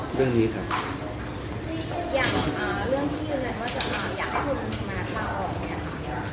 อย่างเรื่องที่อยากให้มันมาตรากออกเนี่ยส่วนตัวเราก็ยังมองแบบนั้นไหมคะ